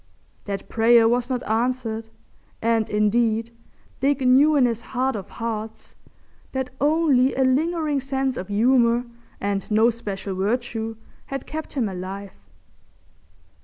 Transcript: That prayer was not answered, and indeed Dick knew in his heart of hearts that only a lingering sense of humour and no special virtue had kept him alive.